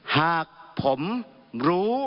หากผมรู้ท่านประธานครับ